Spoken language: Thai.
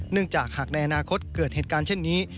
เนื่องจากหากในอนาคตเกิดเห็นการแบบนี้